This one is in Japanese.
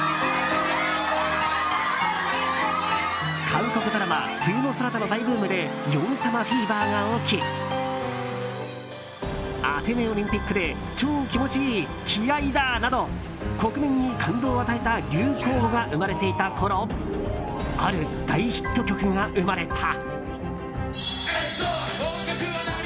韓国ドラマ「冬のソナタ」の大ブームでヨン様フィーバーが起きアテネオリンピックでチョー気持ちいい気合だー！など国民に感動を与えた流行語が生まれていたころある大ヒット曲が生まれた。